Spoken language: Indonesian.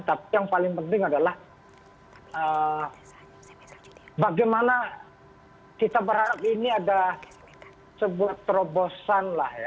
tapi yang paling penting adalah bagaimana kita berharap ini ada sebuah terobosan lah ya